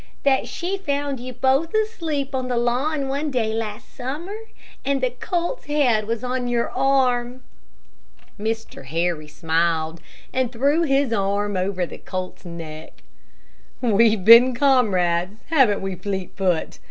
"that she found you both asleep on the lawn one day last summer, and the colt's head was on your arm." Mr. Harry smiled and threw his arm over the colt's neck. "We've been comrades, haven't we, Fleetfoot?